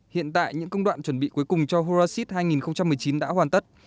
hiện tại những công đoạn chuẩn bị cuối cùng cho horacid hai nghìn một mươi chín đã hoàn tất